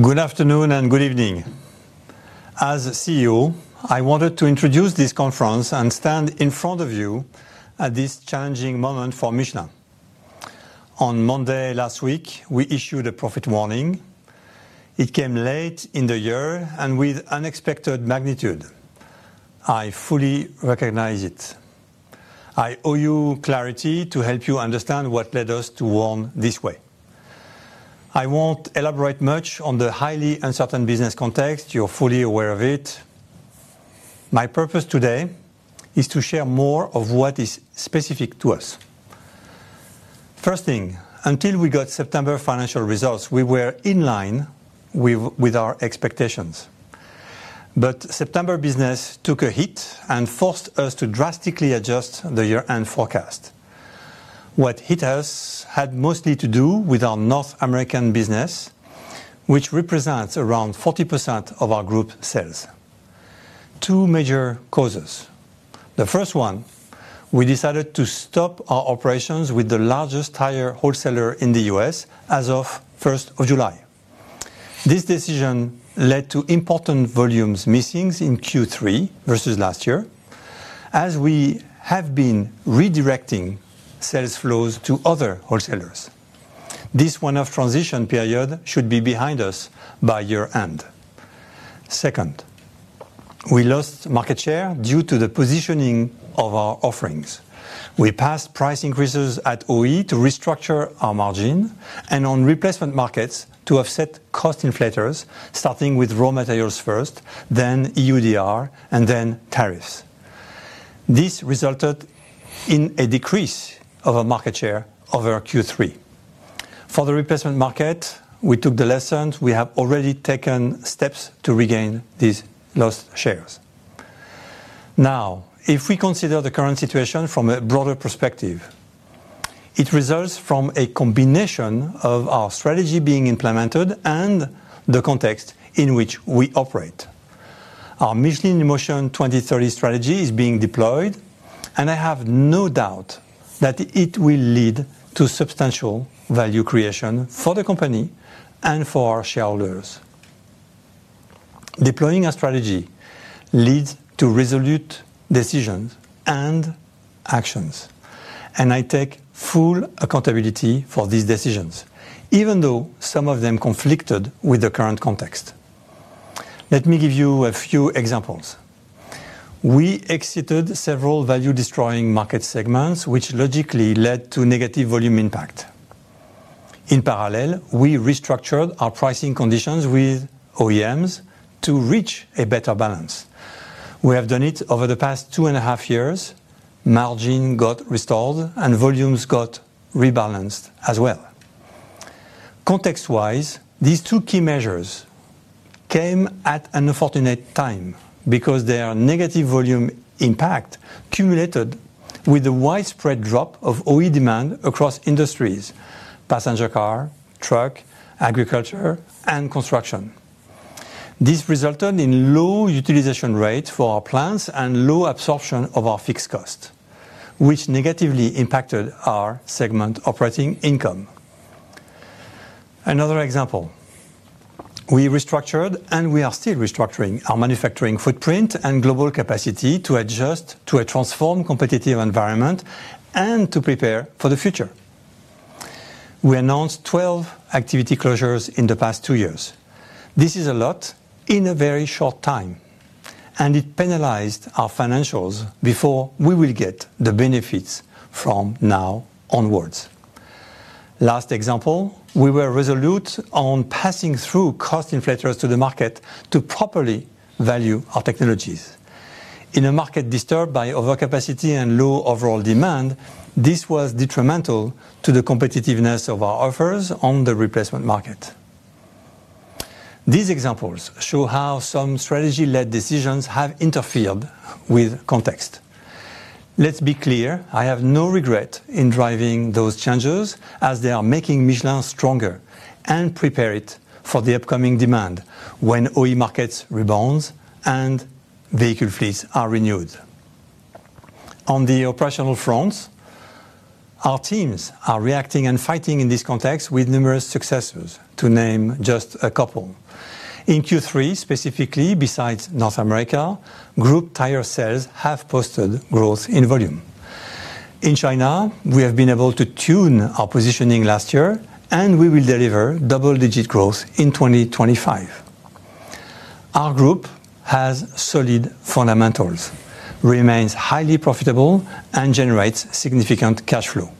Good afternoon and good evening. As CEO, I wanted to introduce this conference and stand in front of you at this challenging moment for Michelin. On Monday last week, we issued a profit warning. It came late in the year and with unexpected magnitude. I fully recognize it. I owe you clarity to help you understand what led us to warn this way. I won't elaborate much on the highly uncertain business context; you're fully aware of it. My purpose today is to share more of what is specific to us. First thing, until we got September financial results, we were in line with our expectations. September business took a hit and forced us to drastically adjust the year-end forecast. What hit us had mostly to do with our North American business, which represents around 40% of our group sales. Two major causes. The first one, we decided to stop our operations with the largest tire wholesaler in the U.S. as of July 1st. This decision led to important volumes missing in Q3 versus last year, as we have been redirecting sales flows to other wholesalers. This one-off transition period should be behind us by year-end. Second, we lost market share due to the positioning of our offerings. We passed price increases at OE to restructure our margin and on replacement markets to offset cost inflators, starting with raw materials first, then EUDR, and then tariffs. This resulted in a decrease of our market share over Q3. For the replacement market, we took the lessons; we have already taken steps to regain these lost shares. Now, if we consider the current situation from a broader perspective, it results from a combination of our strategy being implemented and the context in which we operate. Our Michelin in Motion 2030 strategy is being deployed, and I have no doubt that it will lead to substantial value creation for the company and for our shareholders. Deploying a strategy leads to resolute decisions and actions, and I take full accountability for these decisions, even though some of them conflict with the current context. Let me give you a few examples. We exited several value-destroying market segments, which logically led to negative volume impact. In parallel, we restructured our pricing conditions with OEMs to reach a better balance. We have done it over the past two and a half years. Margin got restored and volumes got rebalanced as well. Context-wise, these two key measures came at an unfortunate time because their negative volume impact cumulated with the widespread drop of OE demand across industries: passenger car, truck, agricultural, and construction. This resulted in low utilization rates for our plants and low absorption of our fixed costs, which negatively impacted our segment operating income. Another example, we restructured and we are still restructuring our manufacturing footprint and global capacity to adjust to a transformed competitive environment and to prepare for the future. We announced 12 activity closures in the past two years. This is a lot in a very short time, and it penalized our financials before we will get the benefits from now onwards. Last example, we were resolute on passing through cost inflators to the market to properly value our technologies. In a market disturbed by overcapacity and low overall demand, this was detrimental to the competitiveness of our offers on the replacement market. These examples show how some strategy-led decisions have interfered with context. Let's be clear, I have no regret in driving those changes as they are making Michelin stronger and prepare it for the upcoming demand when OE markets rebound and vehicle fleets are renewed. On the operational front, our teams are reacting and fighting in this context with numerous successes to name just a couple. In Q3 specifically, besides North America, group tire sales have posted growth in volume. In China, we have been able to tune our positioning last year, and we will deliver double-digit growth in 2025. Our group has solid fundamentals, remains highly profitable, and generates significant cash flow.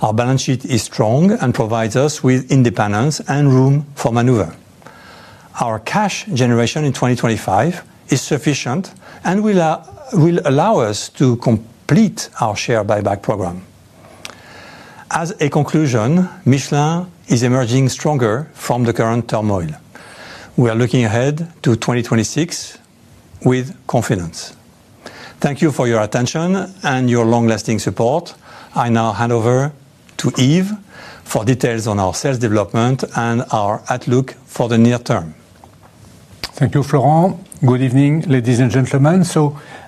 Our balance sheet is strong and provides us with independence and room for maneuver. Our cash generation in 2025 is sufficient and will allow us to complete our share buyback program. As a conclusion, Michelin is emerging stronger from the current turmoil. We are looking ahead to 2026 with confidence. Thank you for your attention and your long-lasting support. I now hand over to Yves for details on our sales development and our outlook for the near term. Thank you, Florent. Good evening, ladies and gentlemen.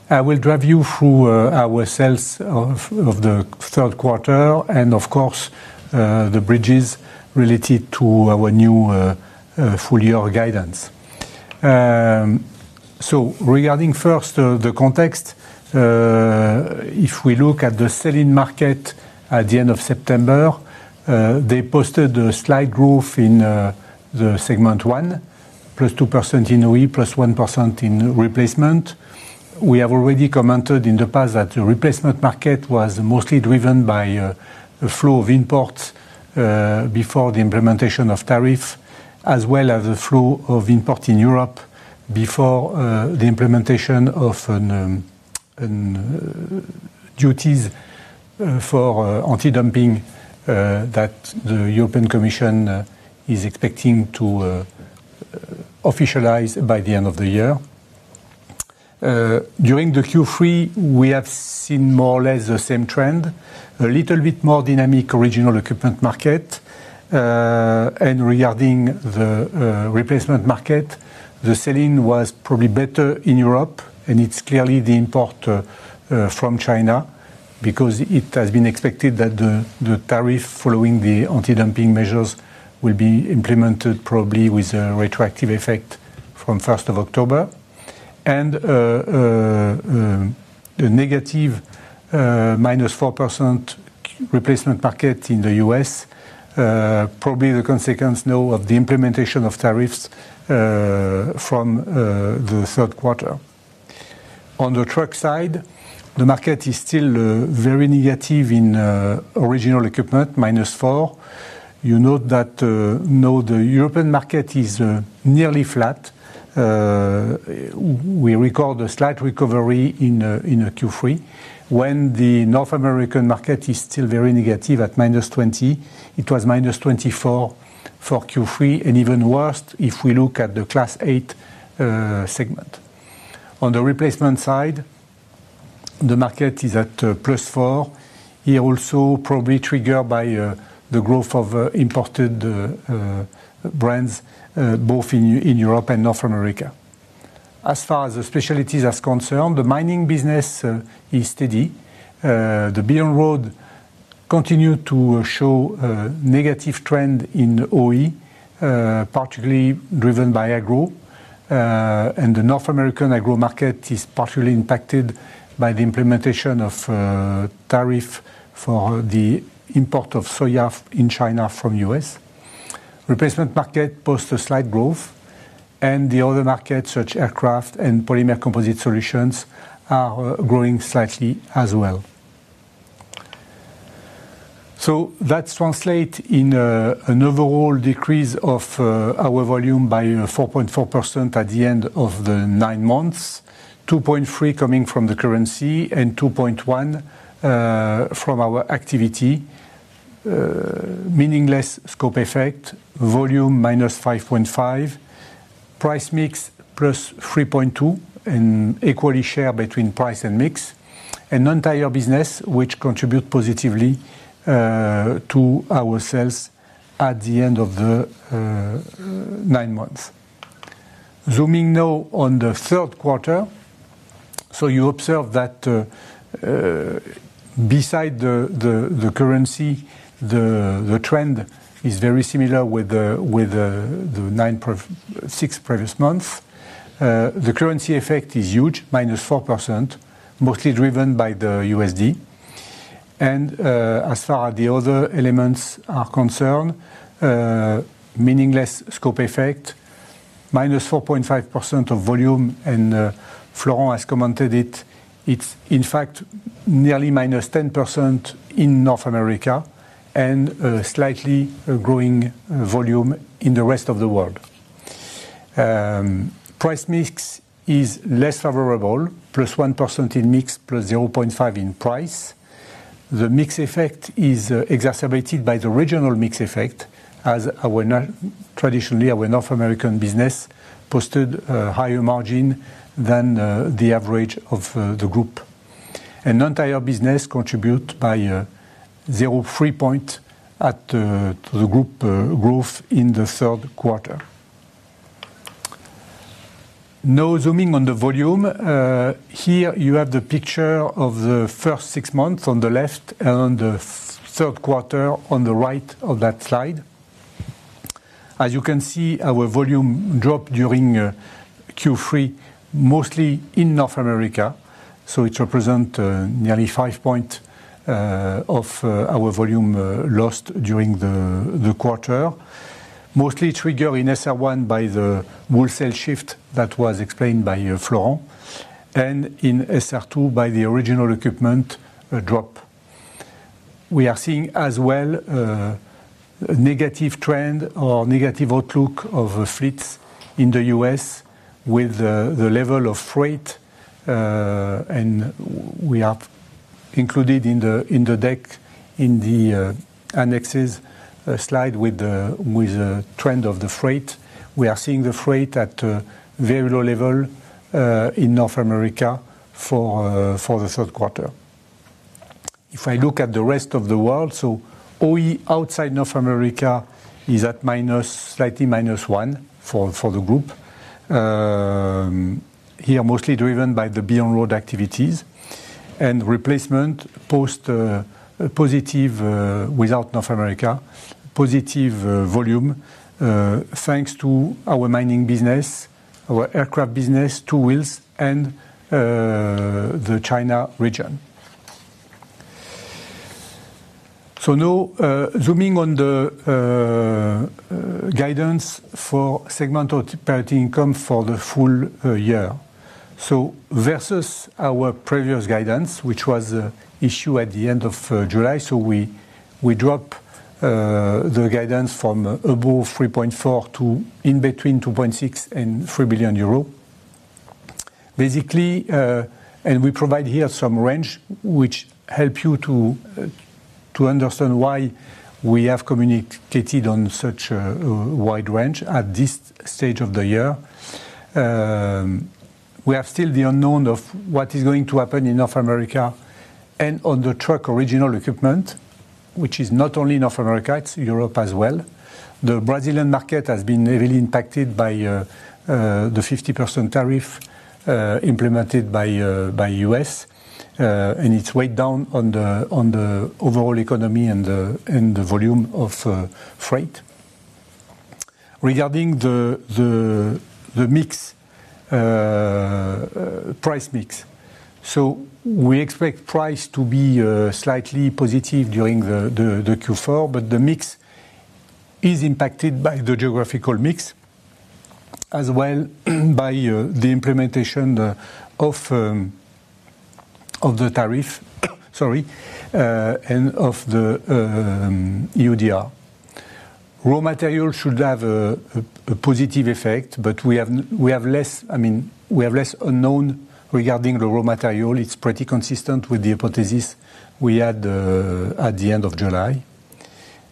I will drive you through our sales of the third quarter and, of course, the bridges related to our new full-year guidance. Regarding first the context, if we look at the selling market at the end of September, they posted a slight growth in the segment one, +2% in OE, +1% in replacement. We have already commented in the past that the replacement market was mostly driven by the flow of imports before the implementation of tariffs, as well as the flow of imports in Europe before the implementation of duties for anti-dumping that the European Commission is expecting to officialize by the end of the year. During Q3, we have seen more or less the same trend, a little bit more dynamic original equipment market. Regarding the replacement market, the selling was probably better in Europe, and it's clearly the import from China because it has been expected that the tariff following the anti-dumping measures will be implemented probably with a retroactive effect from 1 October. The negative minus 4% replacement market in the U.S. is probably the consequence of the implementation of tariffs from the third quarter. On the truck side, the market is still very negative in original equipment, minus 4%. You note that the European market is nearly flat. We record a slight recovery in Q3. When the North American market is still very negative at minus 20%, it was minus 24% for Q3, and even worse if we look at the class 8 segment. On the replacement side, the market is at +4%. Here also, probably triggered by the growth of imported brands both in Europe and North America. As far as the specialties are concerned, the mining business is steady. The beer and roll continue to show a negative trend in OE, particularly driven by agro, and the North American agro market is partially impacted by the implementation of tariffs for the import of soy in China from the U.S. The replacement market posts a slight growth, and the other markets, such as aircraft and polymer composite solutions, are growing slightly as well. That translates in an overall decrease of our volume by 4.4% at the end of the nine months, 2.3% coming from the currency and 2.1% from our activity. Meaningless scope effect, volume minus 5.5%, price mix +3.2%, and equally share between price and mix, and non-tire business, which contributes positively to our sales at the end of the nine months. Zooming now on the third quarter, you observe that besides the currency, the trend is very similar with the six previous months. The currency effect is huge, -4%, mostly driven by the USD. As far as the other elements are concerned, meaningless scope effect, -4.5% of volume, and Florent has commented on it. It's in fact nearly -10% in North America and slightly growing volume in the rest of the world. Price mix is less favorable, +1% in mix, +0.5% in price. The mix effect is exacerbated by the regional mix effect, as traditionally our North American business posted a higher margin than the average of the group. Non-tire business contributes by 0.3% to the group growth in the third quarter. Now, zooming on the volume, here you have the picture of the first six months on the left and the third quarter on the right of that slide. As you can see, our volume dropped during Q3, mostly in North America, so it represents nearly 5% of our volume lost during the quarter, mostly triggered in SR1 by the wholesale shift that was explained by Florent, and in SR2 by the original equipment drop. We are seeing as well a negative trend or negative outlook of fleets in the U.S. with the level of freight, and we have included in the deck in the annexes slide with the trend of the freight. We are seeing the freight at a very low level in North America for the third quarter. If I look at the rest of the world, OE outside North America is at slightly -1% for the group, here mostly driven by the beer and roll activities, and replacement posts positive without North America, positive volume thanks to our mining business, our aircraft business, two wheels, and the China region. Now, zooming on the guidance for segment operating income for the full year. Versus our previous guidance, which was issued at the end of July, we drop the guidance from above 3.4 billion to in between 2.6 billion and 3 billion euro. Basically, we provide here some range which helps you to understand why we have communicated on such a wide range at this stage of the year. We have still the unknown of what is going to happen in North America and on the truck original equipment, which is not only North America, it's Europe as well. The Brazilian market has been heavily impacted by the 50% tariff implemented by the U.S., and it's weighed down on the overall economy and the volume of freight. Regarding the mix, price mix, we expect price to be slightly positive during Q4, but the mix is impacted by the geographical mix as well as by the implementation of the tariff and of the EUDR. Raw materials should have a positive effect, but we have less unknown regarding the raw material. It's pretty consistent with the hypothesis we had at the end of July.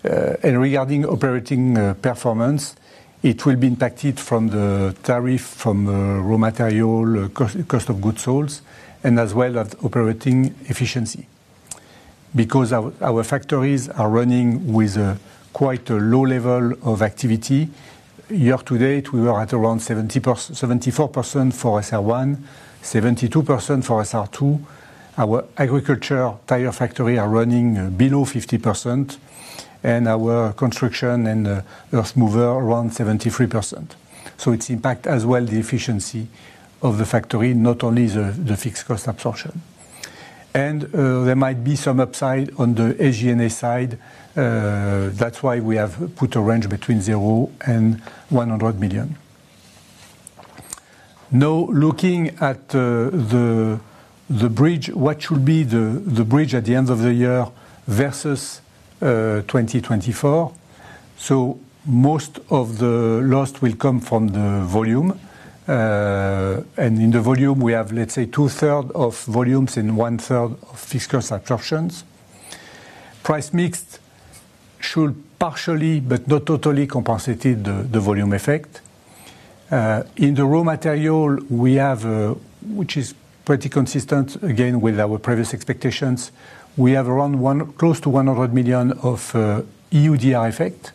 Regarding operating performance, it will be impacted from the tariff, from raw material, cost of goods sold, as well as operating efficiency because our factories are running with quite a low level of activity. Year to date, we were at around 74% for SR1, 72% for SR2. Our agricultural tire factory is running below 50%, and our construction and earth mover around 73%. It impacts as well the efficiency of the factory, not only the fixed cost absorption. There might be some upside on the SG&A side. That's why we have put a range between 0 and 100 million. Now, looking at the bridge, what should be the bridge at the end of the year versus 2024? Most of the loss will come from the volume, and in the volume, we have, let's say, two-thirds of volumes and one-third of fixed cost absorptions. Price mix should partially, but not totally, compensate the volume effect. In the raw material, which is pretty consistent again with our previous expectations, we have around close to EUR 100 million of EUDR effect.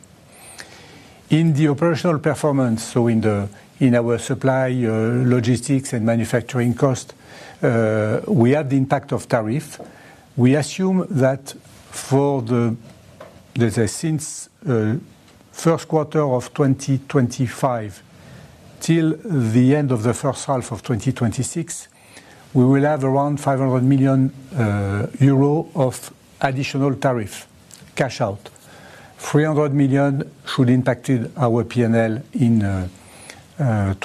In the operational performance, in our supply logistics and manufacturing cost, we have the impact of tariff. We assume that since the first quarter of 2025 till the end of the first half of 2026, we will have around EUR 500 million of additional tariff cash out. EUR 300 million should impact our P&L in 2025 and around EUR 200 million at the beginning in the first half of 2026. We expect the currency effect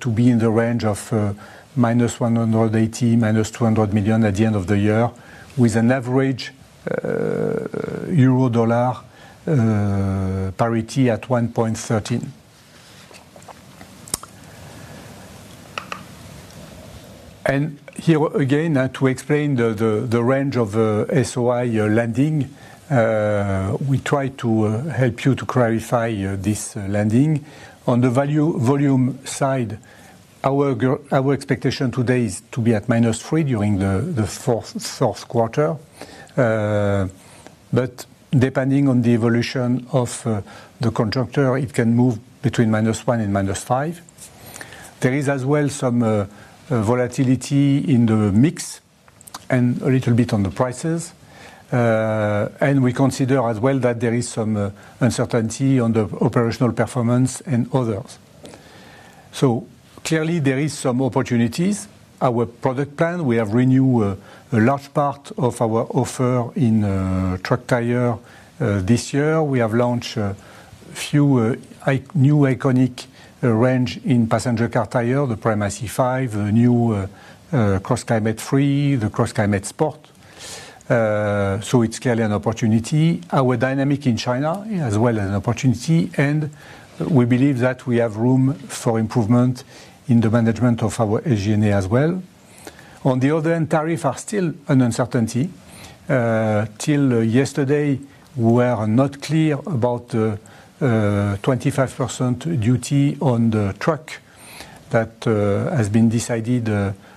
to be in the range of minus EUR 180 million, minus EUR 200 million at the end of the year, with an average euro-dollar parity at 1.13. Here again, to explain the range of the SOI landing, we try to help you to clarify this landing. On the value volume side, our expectation today is to be at minus 3 during the fourth quarter, but depending on the evolution of the contractor, it can move between minus 1 and minus 5. There is as well some volatility in the mix and a little bit on the prices, and we consider as well that there is some uncertainty on the operational performance and others. Clearly, there are some opportunities. Our product plan, we have renewed a large part of our offer in truck tires this year. We have launched a few new iconic ranges in passenger car tires, the Primacy 5, a new CrossClimate 3, the CrossClimate Sport. It's clearly an opportunity. Our dynamic in China is as well as an opportunity, and we believe that we have room for improvement in the management of our SG&A as well. On the other hand, tariffs are still an uncertainty. Till yesterday, we were not clear about the 25% duty on the truck that has been decided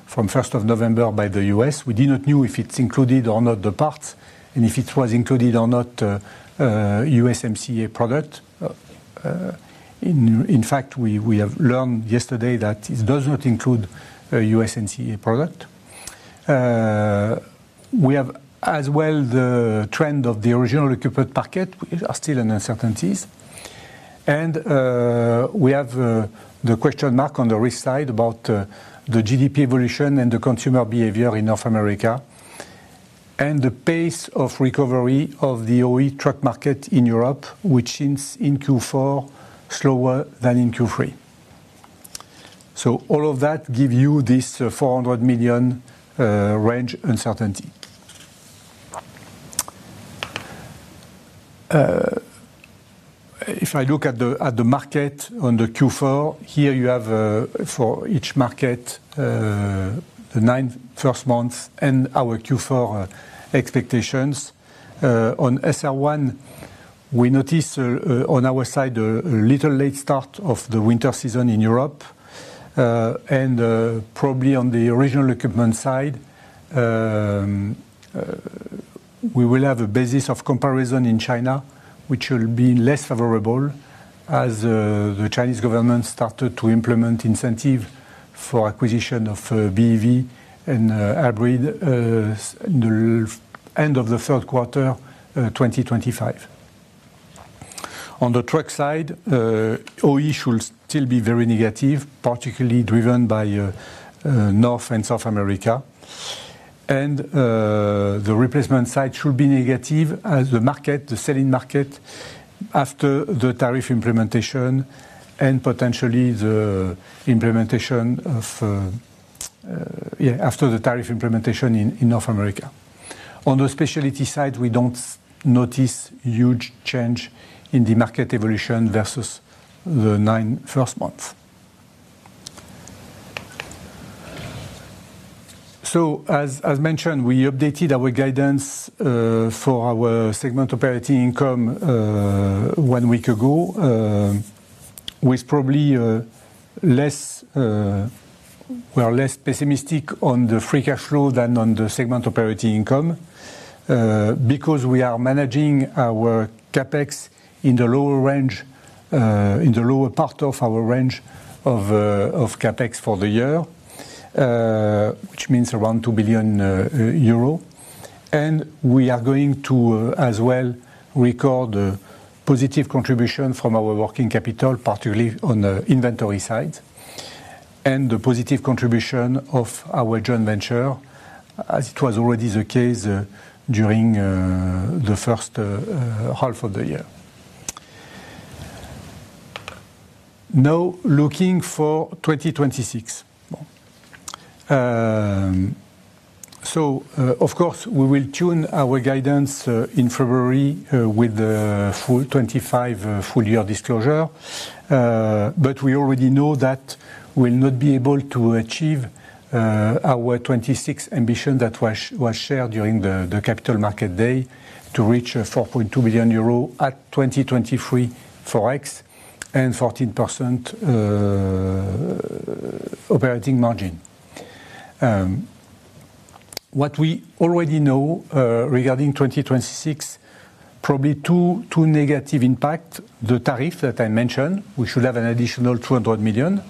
from November 1 by the U.S. We did not know if it included or not the parts and if it was included or not the USMCA product. In fact, we have learned yesterday that it does not include a USMCA product. We have as well the trend of the original equipment market. We are still in uncertainties, and we have the question mark on the risk side about the GDP evolution and the consumer behavior in North America and the pace of recovery of the OE truck market in Europe, which is in Q4 slower than in Q3. All of that gives you this 400 million range uncertainty. If I look at the market on Q4, here you have for each market the nine first months and our Q4 expectations. On SR1, we notice on our side a little late start of the winter season in Europe, and probably on the original equipment side, we will have a basis of comparison in China, which will be less favorable as the Chinese government started to implement incentives for acquisition of BEV and hybrid in the end of the third quarter of 2025. On the truck side, OE should still be very negative, particularly driven by North and South America, and the replacement side should be negative as the market, the selling market, after the tariff implementation and potentially the implementation of, yeah, after the tariff implementation in North America. On the specialty side, we don't notice a huge change in the market evolution versus the nine first months. As mentioned, we updated our guidance for our segment operating income one week ago. We are less pessimistic on the free cash flow than on the segment operating income because we are managing our CapEx in the lower range, in the lower part of our range of CapEx for the year, which means around 2 billion euro. We are going to as well record a positive contribution from our working capital, particularly on the inventory side, and the positive contribution of our joint venture, as it was already the case during the first half of the year. Now, looking for 2026, of course, we will tune our guidance in February with the full 2025 full-year disclosure, but we already know that we will not be able to achieve our 2026 ambition that was shared during the Capital Market Day to reach 4.2 billion euro at 2023 forex and 14% operating margin. What we already know regarding 2026, probably two negative impacts: the tariffs that I mentioned, we should have an additional 200 million,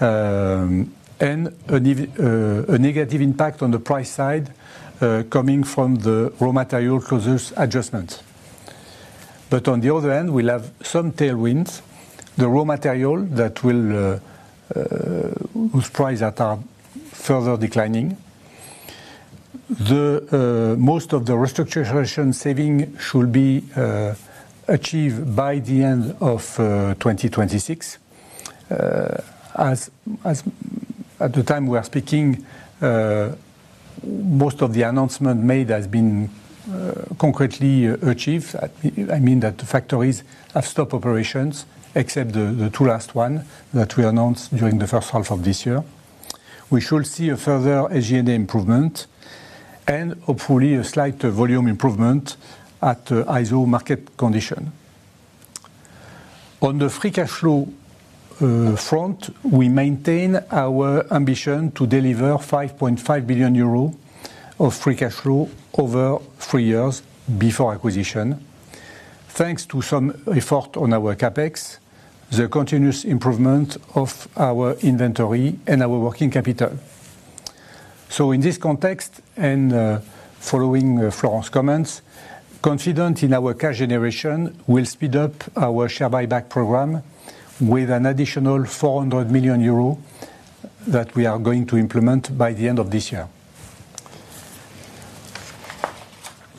and a negative impact on the price side coming from the raw material closures adjustments. On the other hand, we'll have some tailwinds, the raw material whose prices are further declining. Most of the restructuring savings should be achieved by the end of 2026. As at the time we are speaking, most of the announcements made have been concretely achieved. I mean that the factories have stopped operations, except the two last ones that we announced during the first half of this year. We should see a further SG&A improvement and hopefully a slight volume improvement at ISO market condition. On the free cash flow front, we maintain our ambition to deliver EUR 5.5 billion of free cash flow over three years before acquisition, thanks to some effort on our CapEx, the continuous improvement of our inventory, and our working capital. In this context, and following Florent's comments, confident in our cash generation, we'll speed up our share buyback program with an additional 400 million euro that we are going to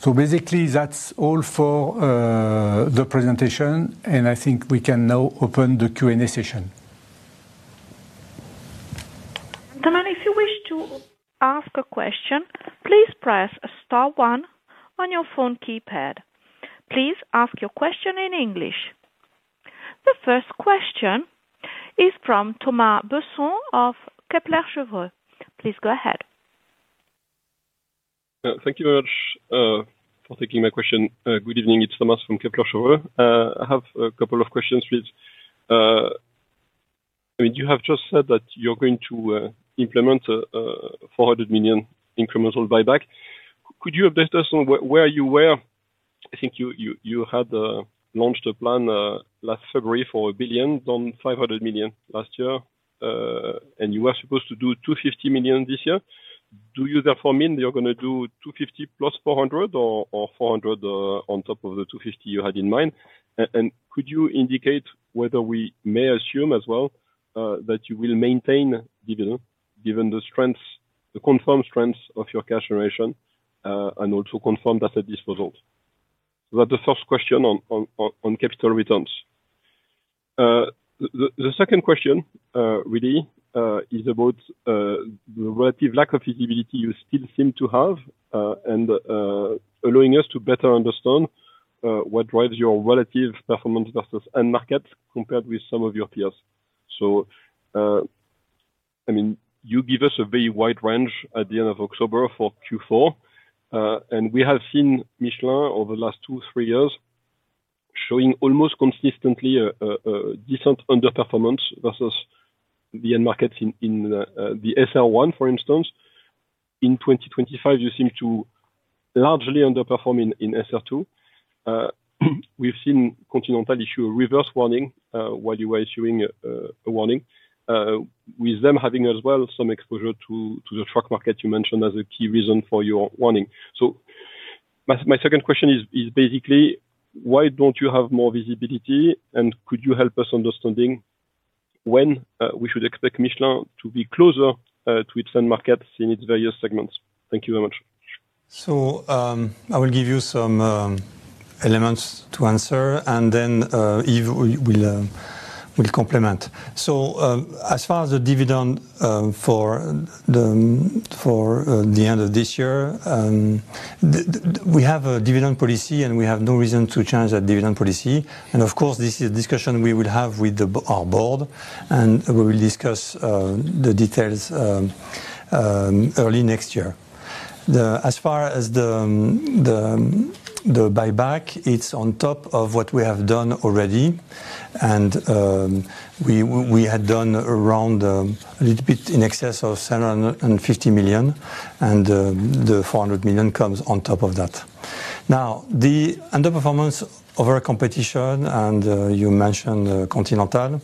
implement by the end of this year. That's all for the presentation, and I think we can now open the Q&A session. If you wish to ask a question, please press star one on your phone keypad. Please ask your question in English. The first question is from Thomas Besson of Kepler Cheuvreux. Please go ahead. Thank you very much for taking my question. Good evening. It's Thomas from Kepler Cheuvreux. I have a couple of questions. You have just said that you're going to implement a $400 million incremental buyback. Could you update us on where you were? I think you had launched a plan last February for $1 billion, done $500 million last year, and you were supposed to do $250 million this year. Do you therefore mean that you're going to do $250 million +$400 million or $400 million on top of the $250 million you had in mind? Could you indicate whether we may assume as well that you will maintain dividends, given the strengths, the confirmed strengths of your cash generation and also confirmed asset disposal? That's the first question on capital returns. The second question really is about the relative lack of visibility you still seem to have in allowing us to better understand what drives your relative performance versus end market compared with some of your peers. You give us a very wide range at the end of October for Q4, and we have seen Michelin over the last two, three years showing almost consistently a decent underperformance versus the end markets. In the SR1, for instance, in 2025, you seem to largely underperform. In SR2, we've seen Continental issue a reverse warning while you were issuing a warning, with them having as well some exposure to the truck market you mentioned as a key reason for your warning. My second question is basically, why don't you have more visibility, and could you help us understand when we should expect Michelin to be closer to its end markets in its various segments? Thank you very much. I will give you some elements to answer, and then Yves will complement. As far as the dividend for the end of this year, we have a dividend policy, and we have no reason to change that dividend policy. Of course, this is a discussion we will have with our board, and we will discuss the details early next year. As far as the buyback, it's on top of what we have done already, and we had done around a little bit in excess of 750 million, and the 400 million comes on top of that. The underperformance of our competition, and you mentioned Continental,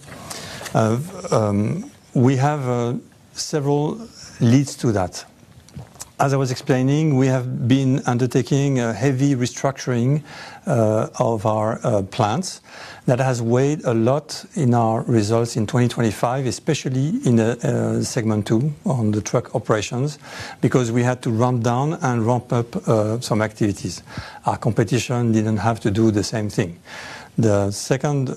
we have several leads to that. As I was explaining, we have been undertaking a heavy restructuring of our plants. That has weighed a lot in our results in 2023, especially in segment two on the truck operations because we had to ramp down and ramp up some activities. Our competition didn't have to do the same thing. The second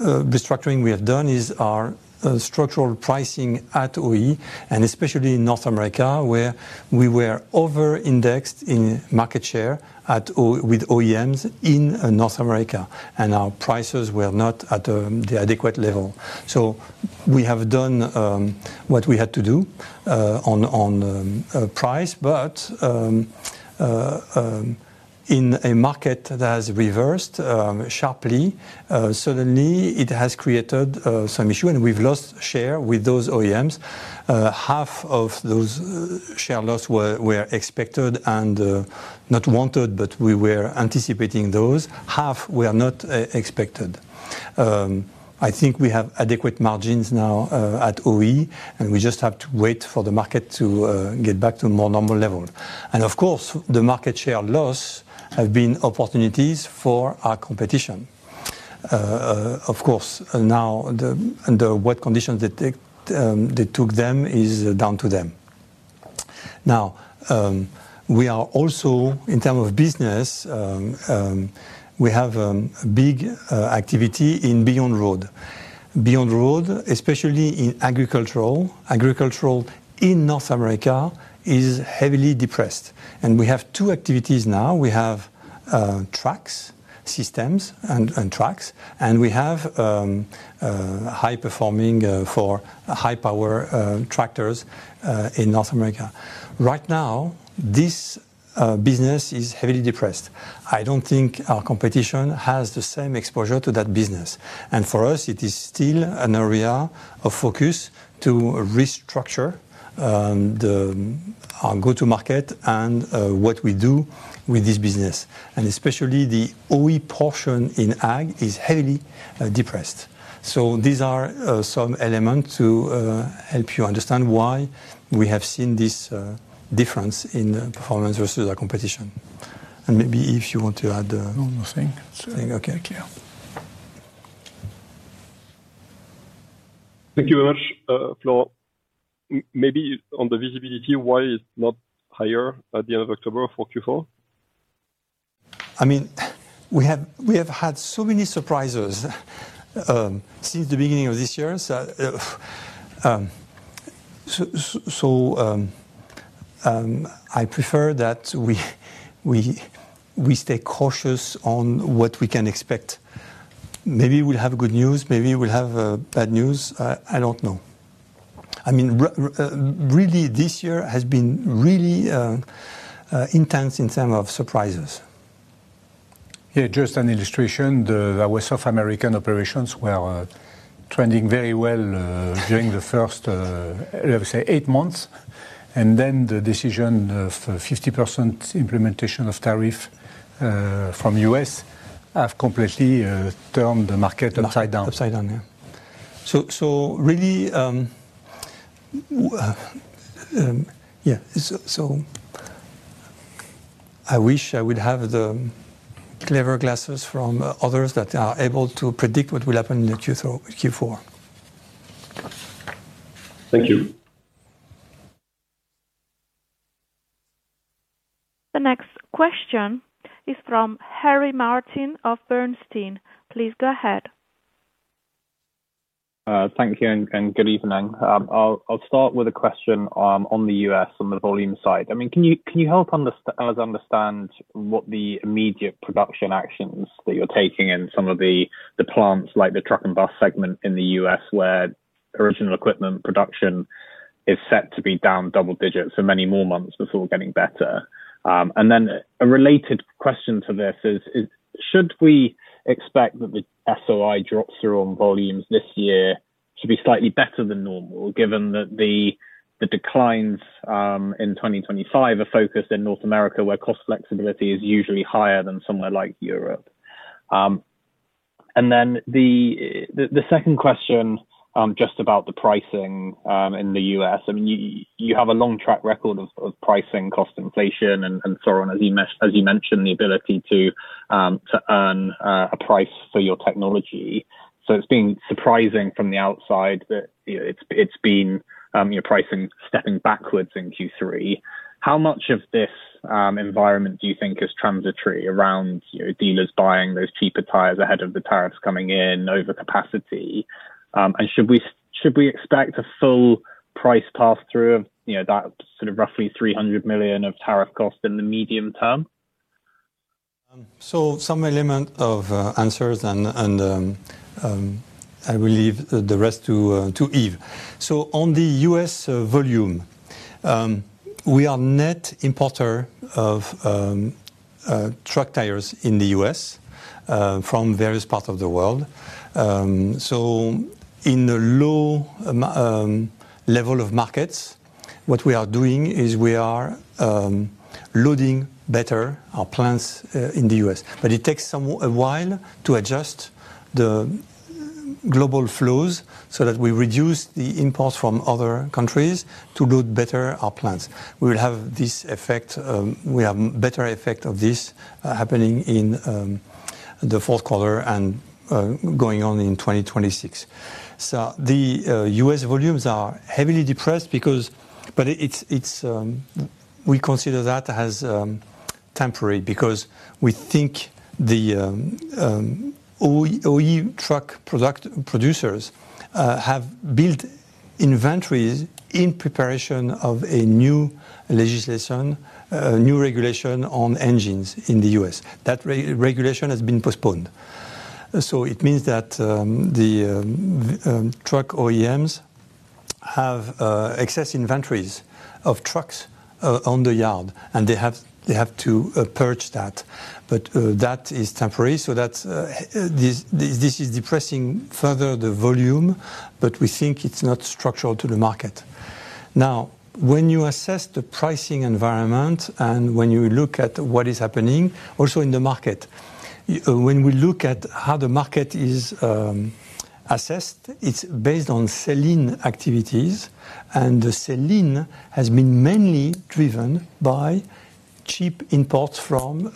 restructuring we have done is our structural pricing at OE, and especially in North America, where we were over-indexed in market share with OEMs in North America, and our prices were not at the adequate level. We have done what we had to do on price, but in a market that has reversed sharply, suddenly it has created some issue, and we've lost share with those OEMs. Half of those share losses were expected and not wanted, but we were anticipating those. Half were not expected. I think we have adequate margins now at OE, and we just have to wait for the market to get back to a more normal level. The market share losses have been opportunities for our competition. What conditions they took them is down to them. We are also, in terms of business, we have a big activity in wheel and roll. Wheel and roll, especially in agricultural, agricultural in North America, is heavily depressed. We have two activities now. We have trucks, systems, and trucks, and we have high performing for high power tractors in North America. Right now, this business is heavily depressed. I don't think our competition has the same exposure to that business. For us, it is still an area of focus to restructure our go-to market and what we do with this business. Especially the OE portion in ag is heavily depressed. These are some elements to help you understand why we have seen this difference in performance versus our competition. Maybe if you want to add... No, nothing. Nothing? Okay, clear. Thank you very much, Florent. Maybe on the visibility, why is it not higher at the end of October for Q4? I mean, we have had so many surprises since the beginning of this year. I prefer that we stay cautious on what we can expect. Maybe we'll have good news, maybe we'll have bad news. I don't know. This year has been really intense in terms of surprises. Just an illustration, our South American operations were trending very well during the first, let's say, eight months. The decision of 50% implementation of tariffs from the U.S. has completely turned the market upside down. Upside down, yeah. I wish I would have the clever glasses from others that are able to predict what will happen in the Q4. Thank you. The next question is from Harry Martin of Bernstein. Please go ahead. Thank you and good evening. I'll start with a question on the U.S. on the volume side. Can you help us understand what the immediate production actions that you're taking in some of the plants like the truck and bus segment in the U.S. where original equipment production is set to be down double digits for many more months before getting better? A related question to this is, should we expect that the SOI drops through on volumes this year to be slightly better than normal, given that the declines in 2025 are focused in North America where cost flexibility is usually higher than somewhere like Europe? The second question is just about the pricing in the U.S. You have a long track record of pricing cost inflation and so on, as you mentioned, the ability to earn a price for your technology. It's been surprising from the outside that it's been pricing stepping backwards in Q3. How much of this environment do you think is transitory around dealers buying those cheaper tires ahead of the tariffs coming in over capacity? Should we expect a full price pass-through of that sort of roughly $300 million of tariff cost in the medium term? Some element of answers, and I will leave the rest to Yves. On the U.S. volume, we are a net importer of truck tires in the U.S. from various parts of the world. In the low level of markets, what we are doing is we are loading better our plants in the U.S. It takes a while to adjust the global flows so that we reduce the imports from other countries to load better our plants. We will have this effect, we have a better effect of this happening in the fourth quarter and going on in 2026. The U.S. volumes are heavily depressed, but we consider that as temporary because we think the OE truck producers have built inventories in preparation of a new legislation, a new regulation on engines in the U.S. That regulation has been postponed. It means that the truck OEMs have excess inventories of trucks on the yard, and they have to purge that. That is temporary. This is depressing further the volume, but we think it's not structural to the market. When you assess the pricing environment and when you look at what is happening also in the market, when we look at how the market is assessed, it's based on selling activities, and the selling has been mainly driven by cheap imports from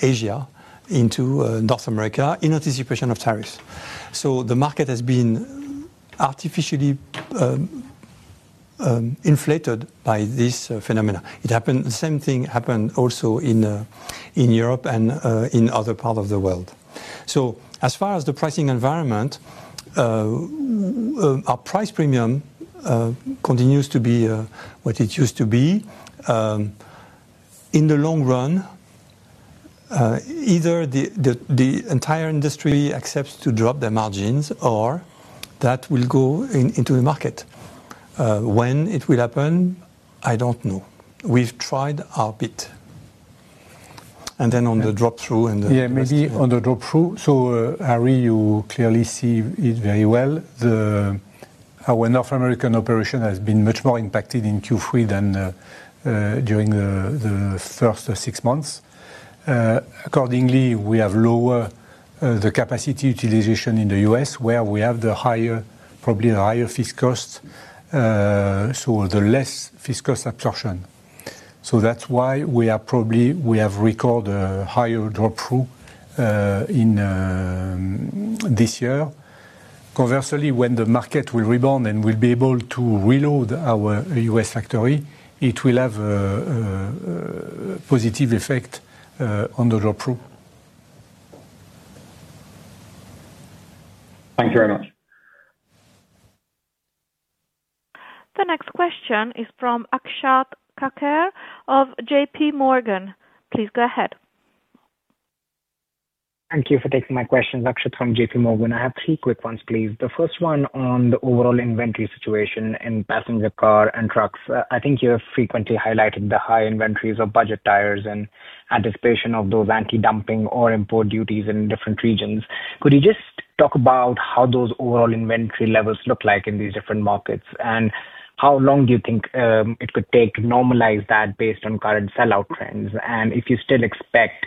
Asia into North America in anticipation of tariffs. The market has been artificially inflated by this phenomenon. The same thing happened also in Europe and in other parts of the world. As far as the pricing environment, our price premium continues to be what it used to be. In the long run, either the entire industry accepts to drop their margins or that will go into the market. When it will happen, I don't know. We've tried our bit. On the drop-through, Harry, you clearly see it very well. Our North American operation has been much more impacted in Q3 than during the first six months. Accordingly, we have lowered the capacity utilization in the U.S., where we have probably the higher fixed cost, so the less fixed cost absorption. That's why we have recorded a higher drop-through this year. Conversely, when the market will rebound and we'll be able to reload our U.S. factory, it will have a positive effect on the drop-through. Thank you very much. The next question is from Akshat Kacker of JPMorgan. Please go ahead. Thank you for taking my questions, Akshat from JPMorgan Chase & Co. I have three quick ones, please. The first one on the overall inventory situation in passenger car and truck tires. I think you have frequently highlighted the high inventories of budget tires in anticipation of those anti-dumping or import duties in different regions. Could you just talk about how those overall inventory levels look like in these different markets? How long do you think it could take to normalize that based on current sell-out trends? If you still expect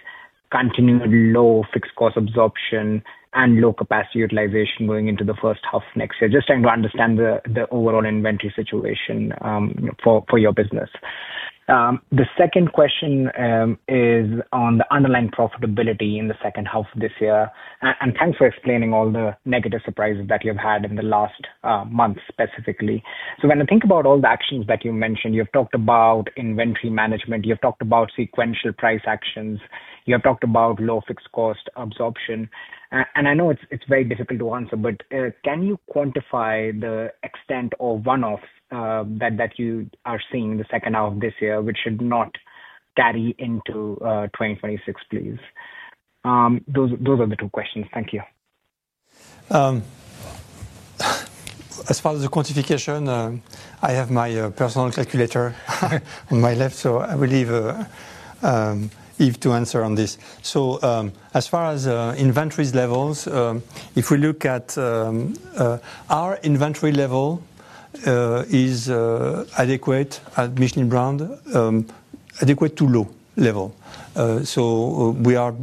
continued low fixed cost absorption and low plant utilization going into the first half next year, just trying to understand the overall inventory situation for your business. The second question is on the underlying profitability in the second half of this year. Thanks for explaining all the negative surprises that you've had in the last month specifically. When I think about all the actions that you mentioned, you've talked about inventory management, you've talked about sequential price actions, you've talked about low fixed cost absorption. I know it's very difficult to answer, but can you quantify the extent of one-offs that you are seeing in the second half of this year, which should not carry into 2026, please? Those are the two questions. Thank you. As far as the quantification, I have my personal calculator on my left, so I will leave Yves to answer on this. As far as inventory levels, if we look at our inventory level, it is adequate at Michelin Brand, adequate to low level. We are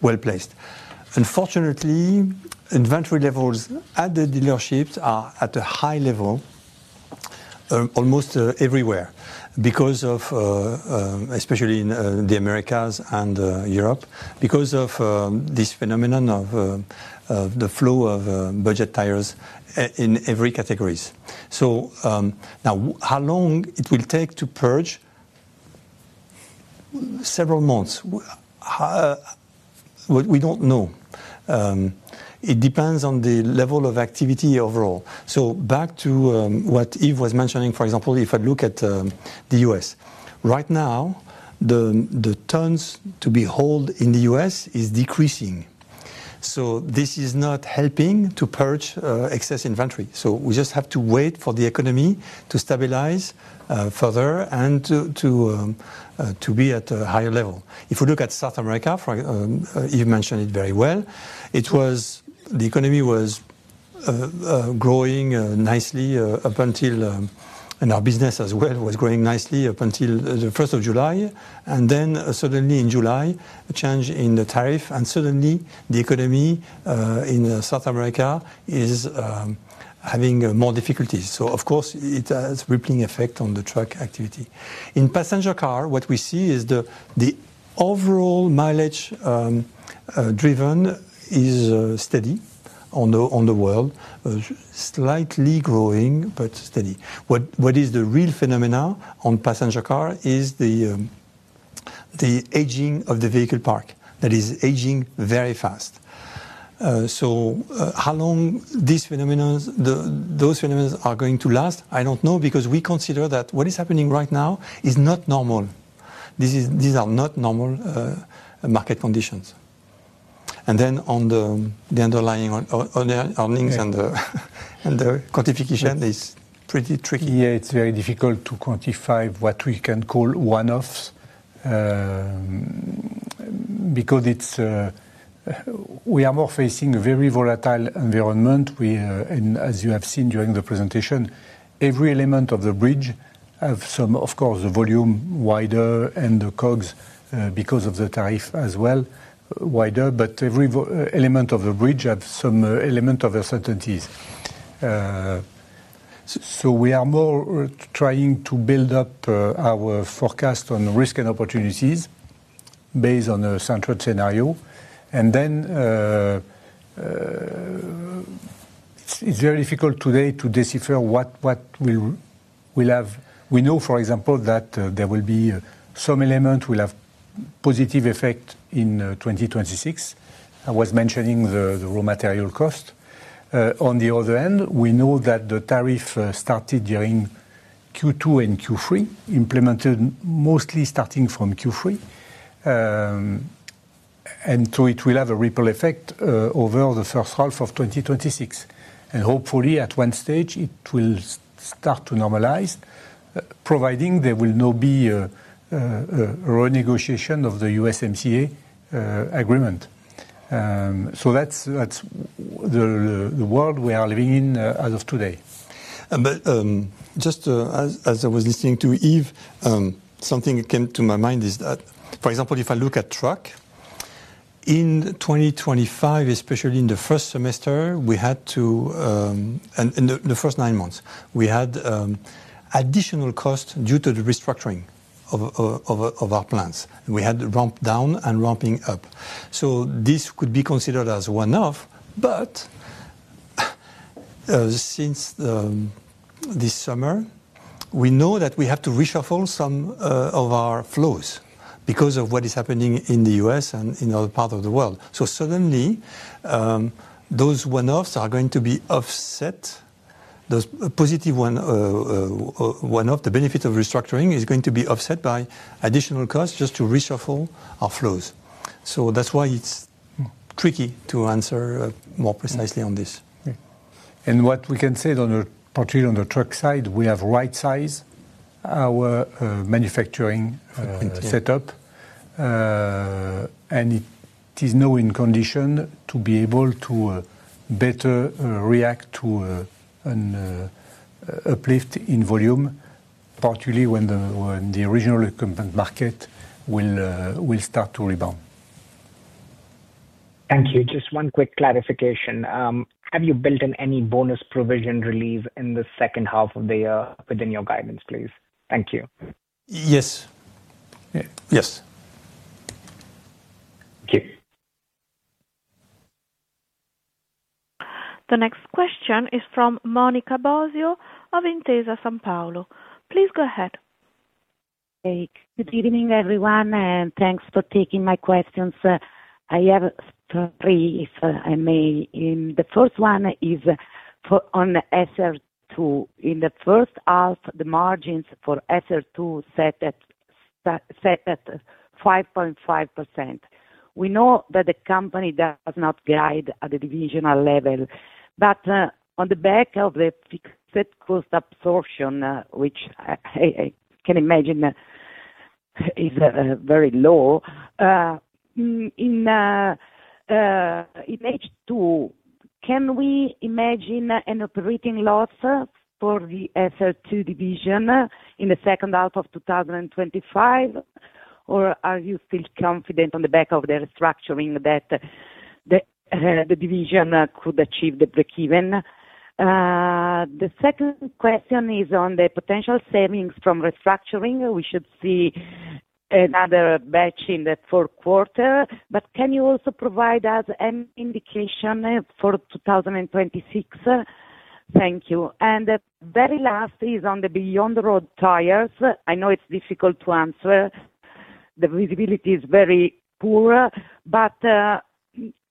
well placed. Unfortunately, inventory levels at the dealerships are at a high level almost everywhere, especially in the Americas and Europe, because of this phenomenon of the flow of budget tires in every category. Now, how long it will take to purge? Several months. We don't know. It depends on the level of activity overall. Back to what Yves was mentioning, for example, if I look at the U.S., right now, the tons to be hauled in the U.S. are decreasing. This is not helping to purge excess inventory. We just have to wait for the economy to stabilize further and to be at a higher level. If we look at South America, Yves mentioned it very well, the economy was growing nicely up until, and our business as well was growing nicely up until July 1. Then suddenly in July, a change in the tariff, and suddenly the economy in South America is having more difficulties. Of course, it has a rippling effect on the truck activity. In passenger car, what we see is the overall mileage driven is steady in the world, slightly growing but steady. The real phenomenon on passenger car is the aging of the vehicle park. That is aging very fast. How long those phenomenons are going to last, I don't know because we consider that what is happening right now is not normal. These are not normal market conditions. On the underlying earnings and the quantification, it's pretty tricky. It's very difficult to quantify what we can call one-offs because we are more facing a very volatile environment. As you have seen during the presentation, every element of the bridge has some, of course, the volume wider and the COGS because of the tariff as well, wider. Every element of the bridge has some element of uncertainties. We are more trying to build up our forecast on risk and opportunities based on a central scenario. It's very difficult today to decipher what will have. We know, for example, that there will be some element that will have a positive effect in 2026. I was mentioning the raw material cost. On the other end, we know that the tariff started during Q2 and Q3, implemented mostly starting from Q3. It will have a ripple effect over the first half of 2026. Hopefully, at one stage, it will start to normalize, providing there will not be a renegotiation of the USMCA agreement. That's the world we are living in as of today. Just as I was listening to Yves, something that came to my mind is that, for example, if I look at truck, in 2025, especially in the first semester, we had to, in the first nine months, we had additional costs due to the restructuring of our plants. We had ramped down and ramping up. This could be considered as one-off. Since this summer, we know that we have to reshuffle some of our flows because of what is happening in the United States and in other parts of the world. Suddenly, those one-offs are going to be offset. Those positive one-offs, the benefit of restructuring is going to be offset by additional costs just to reshuffle our flows. That's why it's tricky to answer more precisely on this. What we can say, particularly on the truck side, we have right-sized our manufacturing setup, and it is now in condition to be able to better react to an uplift in volume, particularly when the original equipment market will start to rebound. Thank you. Just one quick clarification. Have you built in any bonus provision relief in the second half of the year within your guidance, please? Thank you. Yes. Yes. Thank you. The next question is from Monica Bosio of Intesa Sanpaolo. Please go ahead. Good evening, everyone, and thanks for taking my questions. I have three, if I may. The first one is for on SR2. In the first half, the margins for SR2 set at 5.5%. We know that the company does not guide at the divisional level, but on the back of the fixed cost absorption, which I can imagine is very low. In H2, can we imagine an operating loss for the SR2 division in the second half of 2025, or are you still confident on the back of the restructuring that the division could achieve the break-even? The second question is on the potential savings from restructuring. We should see another batch in the fourth quarter, but can you also provide us any indication for 2026? Thank you. The very last is on the beyond the road tires. I know it's difficult to answer. The visibility is very poor, but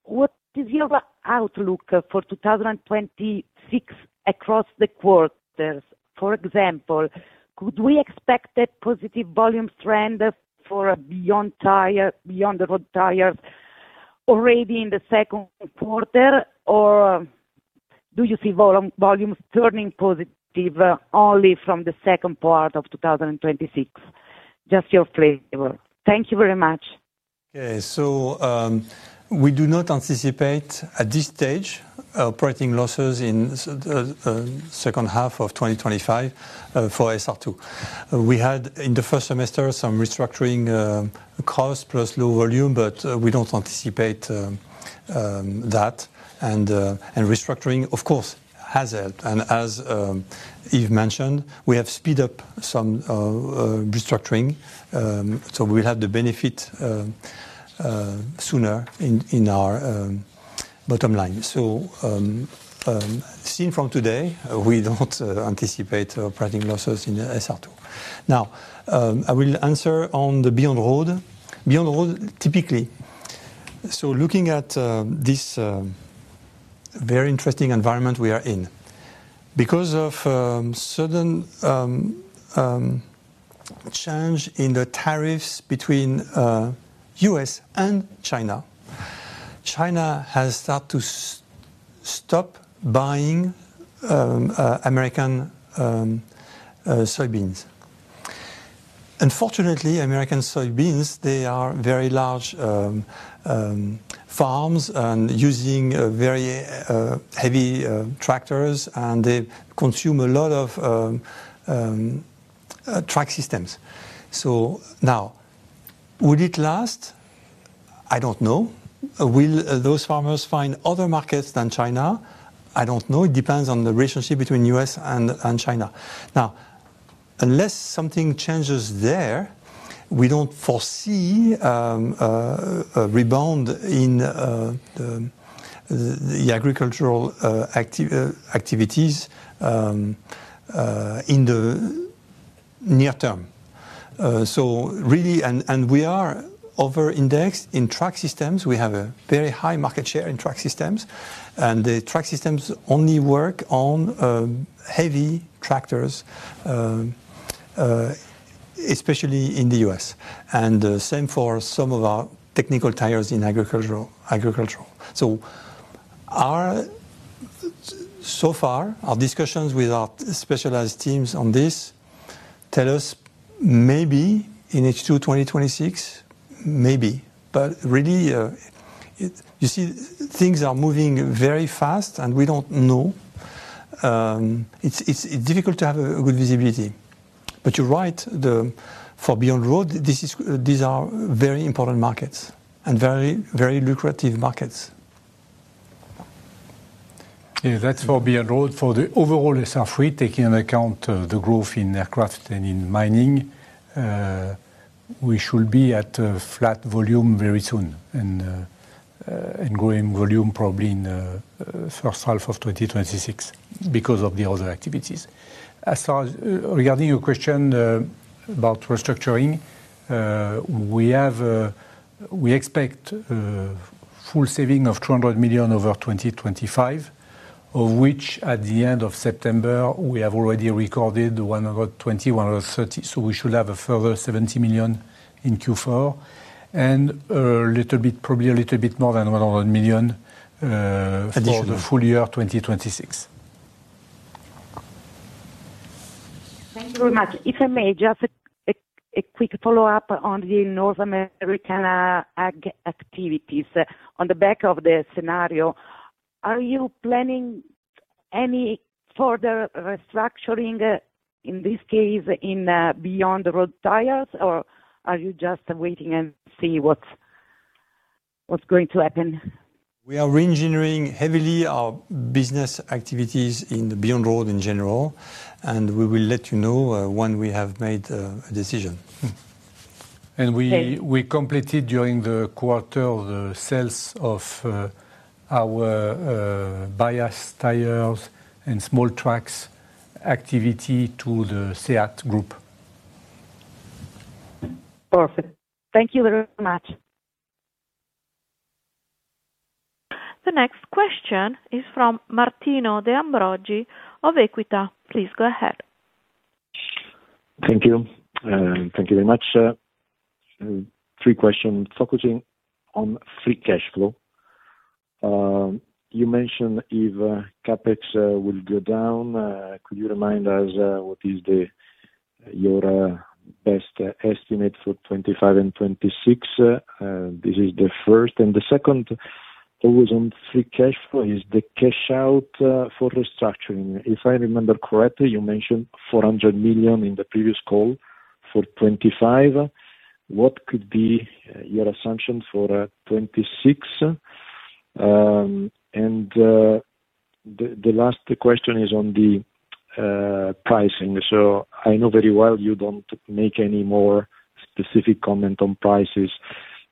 what is your outlook for 2026 across the quarters? For example, could we expect a positive volume strength for beyond the road tires already in the second quarter, or do you see volumes turning positive only from the second part of 2026? Just your flavor. Thank you very much. Okay. We do not anticipate at this stage operating losses in the second half of 2025 for SR2. We had in the first semester some restructuring costs plus low volume, but we don't anticipate that. Restructuring, of course, has helped. As Yves mentioned, we have speed up some restructuring, so we will have the benefit sooner in our bottom line. Seen from today, we don't anticipate operating losses in SR2. Now, I will answer on the beyond the road. Beyond the road, typically, looking at this very interesting environment we are in, because of a sudden change in the tariffs between the U.S. and China, China has started to stop buying American soybeans. Unfortunately, American soybeans, they are very large farms and using very heavy tractors, and they consume a lot of track systems. Now, will it last? I don't know. Will those farmers find other markets than China? I don't know. It depends on the relationship between the U.S. and China. Unless something changes there, we don't foresee a rebound in the agricultural activities in the near term. Really, we are over-indexed in track systems. We have a very high market share in track systems, and the track systems only work on heavy tractors, especially in the U.S. The same for some of our technical tires in agriculture. So far, our discussions with our specialized teams on this tell us maybe in H2 2026, maybe. Things are moving very fast, and we don't know. It's difficult to have good visibility. You're right, for beyond the road, these are very important markets and very, very lucrative markets. For beyond the road, for the overall SR3, taking into account the growth in aircraft and in mining, we should be at a flat volume very soon and growing volume probably in the first half of 2026 because of the other activities. As far as regarding your question about restructuring, we expect a full saving of 200 million over 2025, of which at the end of September, we have already recorded 120 million, 130 million. We should have a further 70 million in Q4 and a little bit, probably a little bit more than 100 million for the full year 2026. Thank you very much. If I may, just a quick follow-up on the North American agricultural activities. On the back of the scenario, are you planning any further restructuring, in this case, in beyond the road tires, or are you just waiting and seeing what's going to happen? We are re-engineering heavily our business activities in the beyond road in general, and we will let you know when we have made a decision. We completed during the quarter the sales of our bias tires and small tracks activity to the SEAT group. Perfect. Thank you very much. The next question is from Martino De Ambroggi of Equita. Please go ahead. Thank you. Thank you very much. Three questions focusing on free cash flow. You mentioned if CapEx will go down. Could you remind us what is your best estimate for 2025 and 2026? This is the first. The second, always on free cash flow, is the cash out for restructuring. If I remember correctly, you mentioned $400 million in the previous call for 2025. What could be your assumption for 2026? The last question is on the pricing. I know very well you don't make any more specific comment on prices,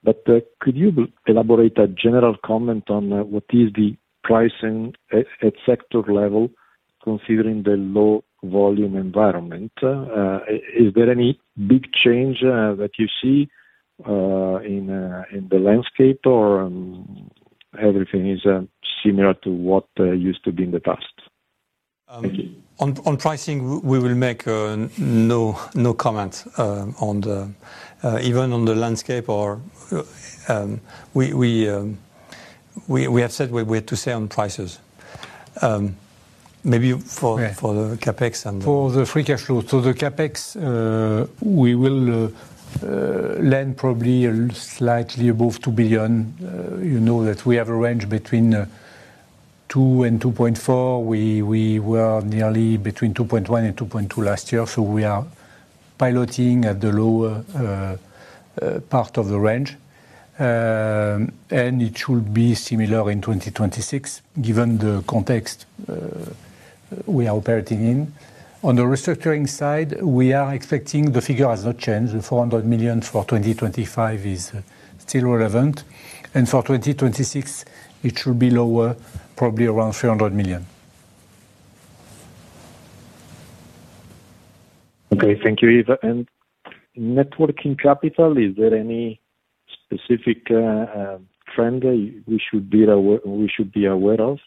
but could you elaborate a general comment on what is the pricing at sector level considering the low volume environment? Is there any big change that you see in the landscape, or everything is similar to what used to be in the past? On pricing, we will make no comment on the landscape, or we have said what we had to say on prices. Maybe for the CapEx and for the free cash flow. The CapEx, we will land probably slightly above $2 billion. You know that we have a range between $2 billion and $2.4 billion. We were nearly between $2.1 billion and $2.2 billion last year. We are piloting at the lower part of the range, and it should be similar in 2026 given the context we are operating in. On the restructuring side, we are expecting the figure has not changed. The $400 million for 2025 is still relevant, and for 2026, it should be lower, probably around $300 million. Thank you, Yves. Is there any specific trend we should be aware of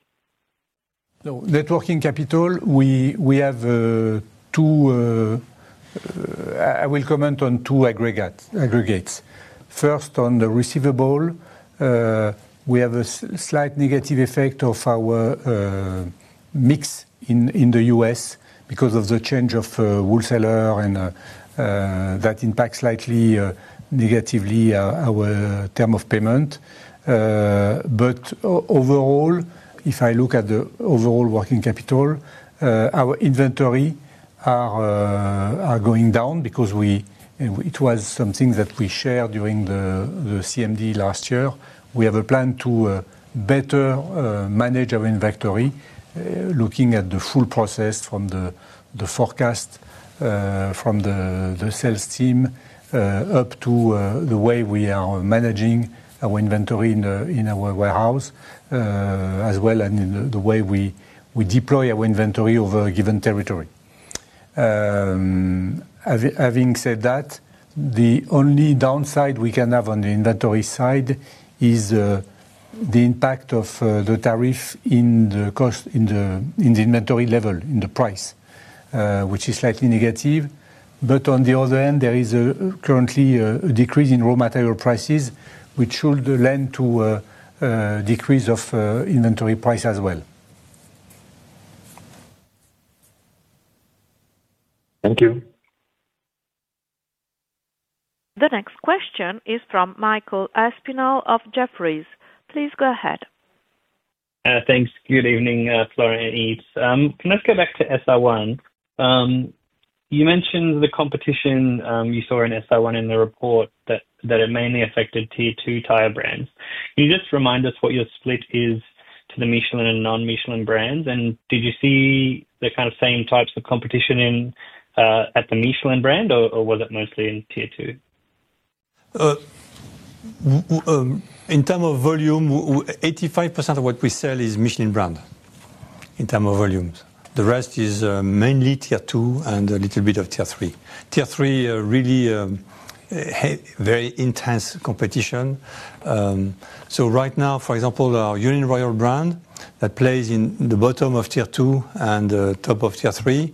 regarding networking capital? Networking capital, we have two. I will comment on two aggregates. First, on the receivable, we have a slight negative effect of our mix in the U.S. because of the change of wholesaler, and that impacts slightly negatively our term of payment. Overall, if I look at the overall working capital, our inventory is going down because it was something that we shared during the CMD last year. We have a plan to better manage our inventory, looking at the full process from the forecast, from the sales team, up to the way we are managing our inventory in our warehouse as well, and the way we deploy our inventory over a given territory. Having said that, the only downside we can have on the inventory side is the impact of the tariff in the inventory level, in the price, which is slightly negative. On the other end, there is currently a decrease in raw material prices, which should lend to a decrease of inventory price as well. Thank you. The next question is from Michael Espinal of Jefferies. Please go ahead. Thanks. Good evening, Florent and Yves. Can I just go back to SR1? You mentioned the competition you saw in SR1 in the report that it mainly affected Tier 2 tire brands. Can you just remind us what your split is to the Michelin and non-Michelin brands? Did you see the kind of same types of competition at the Michelin brand, or was it mostly in Tier 2? In terms of volume, 85% of what we sell is Michelin brand in terms of volumes. The rest is mainly Tier 2 and a little bit of Tier 3. Tier 3 really has very intense competition. Right now, for example, our Union Royal brand that plays in the bottom of Tier 2 and the top of Tier 3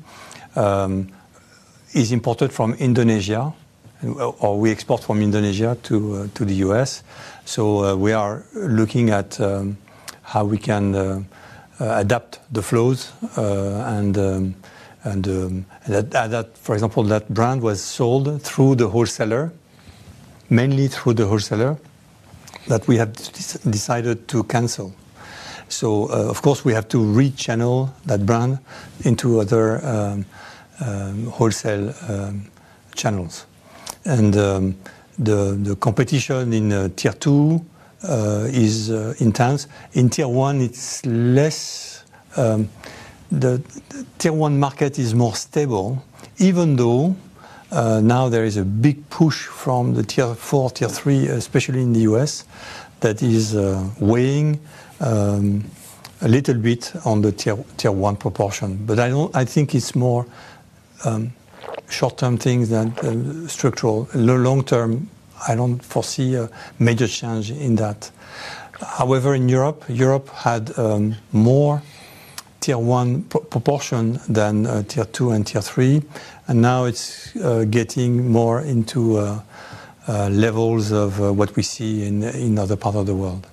is imported from Indonesia, or we export from Indonesia to the U.S. We are looking at how we can adapt the flows. For example, that brand was sold through the wholesaler, mainly through the wholesaler, that we had decided to cancel. Of course, we have to re-channel that brand into other wholesale channels. The competition in Tier 2 is intense. In Tier 1, it's less. The Tier 1 market is more stable, even though now there is a big push from the Tier 4, Tier 3, especially in the U.S., that is weighing a little bit on the Tier 1 proportion. I think it's more short-term things than structural. Long-term, I don't foresee a major change in that. However, in Europe, Europe had more Tier 1 proportion than Tier 2 and Tier 3. Now it's getting more into levels of what we see in other parts of the world.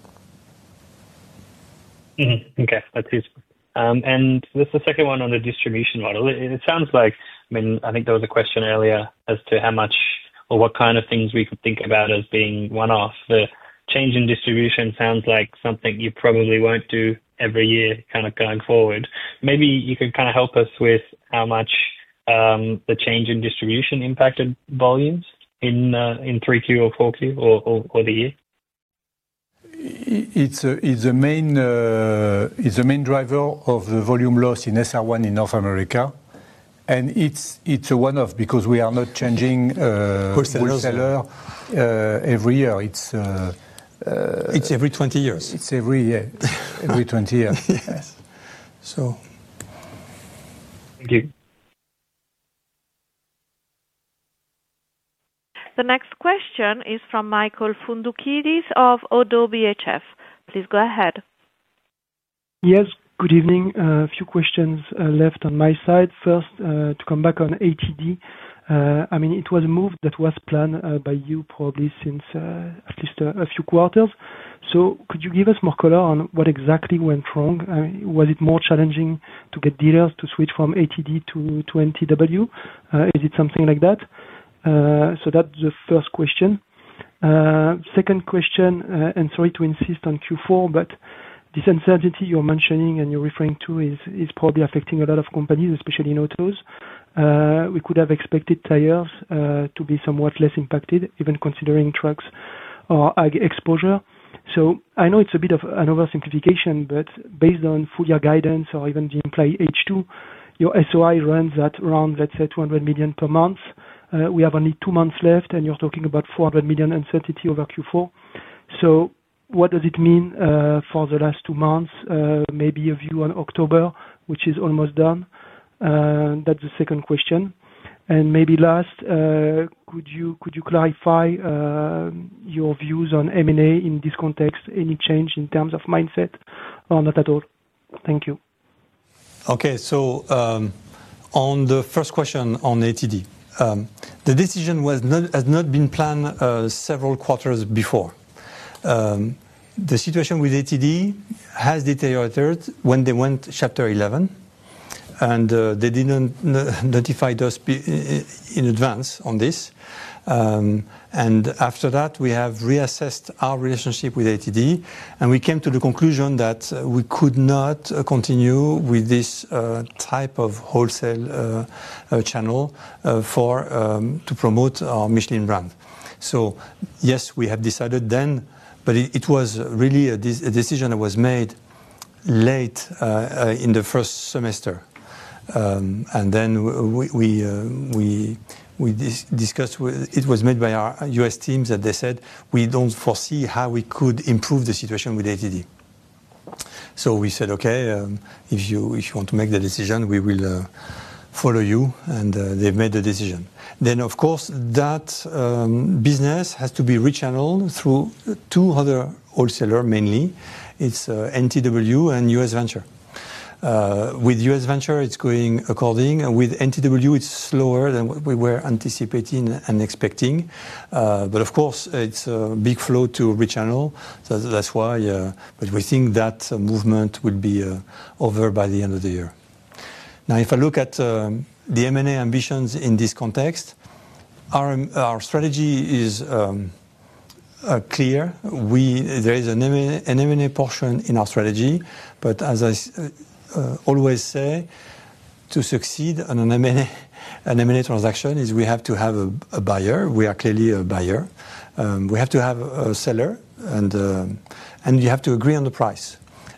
Okay. That's useful. This is the second one on the distribution model. It sounds like, I mean, I think there was a question earlier as to how much or what kind of things we could think about as being one-off. The change in distribution sounds like something you probably won't do every year going forward. Maybe you could help us with how much the change in distribution impacted volumes in 3Q or 4Q or the year. It's a main driver of the volume loss in SR1 in North America. It's a one-off because we are not changing wholesaler every year. It's every 20 years, every 20 years. Thank you. The next question is from Michael Foundoukidis of ODDO BHF. Please go ahead. Yes. Good evening. A few questions left on my side. First, to come back on ATD, I mean, it was a move that was planned by you probably since at least a few quarters. Could you give us more color on what exactly went wrong? Was it more challenging to get dealers to switch from ATD to NTW? Is it something like that? That's the first question. Second question, and sorry to insist on Q4, this uncertainty you're mentioning and you're referring to is probably affecting a lot of companies, especially in autos. We could have expected tires to be somewhat less impacted, even considering trucks or exposure. I know it's a bit of an oversimplification, but based on full year guidance or even the implied H2, your SOI runs at around $200 million per month. We have only two months left, and you're talking about $400 million uncertainty over Q4. What does it mean for the last two months? Maybe a view on October, which is almost done. That's the second question. Last, could you clarify your views on M&A in this context? Any change in terms of mindset or not at all? Thank you. Okay. On the first question on American Tire Distributors (ATD), the decision has not been planned several quarters before. The situation with ATD has deteriorated when they went Chapter 11, and they did not notify us in advance on this. After that, we have reassessed our relationship with ATD, and we came to the conclusion that we could not continue with this type of wholesale channel to promote our Michelin brand. Yes, we have decided then, but it was really a decision that was made late in the first semester. We discussed it was made by our U.S. teams that they said we do not foresee how we could improve the situation with ATD. We said, "Okay, if you want to make the decision, we will follow you." They have made the decision. Of course, that business has to be re-channeled through two other wholesalers, mainly. It is NTW and US Venture. With US Venture, it is going according. With NTW, it is slower than we were anticipating and expecting. Of course, it is a big flow to re-channel. That is why. We think that movement will be over by the end of the year. If I look at the M&A ambitions in this context, our strategy is clear. There is an M&A portion in our strategy. As I always say, to succeed in an M&A transaction, we have to have a buyer. We are clearly a buyer. We have to have a seller, and you have to agree on the price.